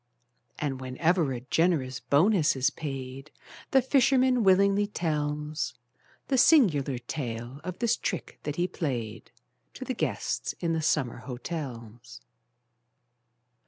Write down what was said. And, whenever a generous bonus is paid, The fisherman willingly tells The singular tale of this trick that he played, To the guests in the summer hotels.